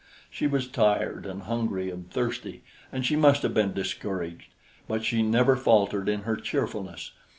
She was tired and hungry and thirsty, and she must have been discouraged; but she never faltered in her cheerfulness.